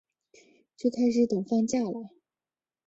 就开始等放假啦